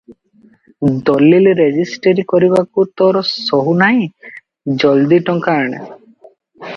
ଦଲିଲ ରେଜେଷ୍ଟରୀ କରିବାକୁ ତର ସହୁ ନାହିଁ, ଜଲଦି ଟଙ୍କା ଆଣ ।